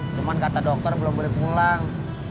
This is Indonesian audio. cuma kata dokter belum boleh pulang